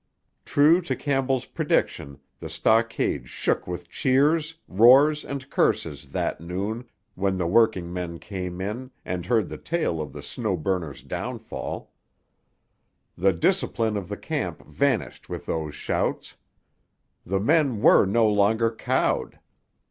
True to Campbell's prediction, the stockade shook with cheers, roars and curses that noon when the working men came in and heard the tale of the Snow Burner's downfall. The discipline of the camp vanished with those shouts. The men were no longer cowed.